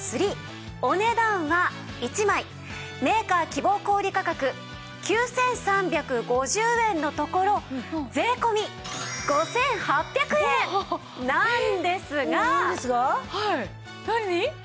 お値段は１枚メーカー希望小売価格９３５０円のところ税込５８００円なんですが。おっ！